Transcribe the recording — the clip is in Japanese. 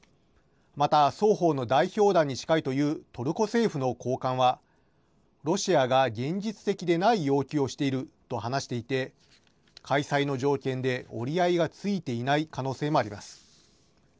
また双方の代表団に近いというトルコ政府の高官は、ロシアが現実的でない要求をしていると話していて、開催の条件で折り合いがついていない可能性もあります。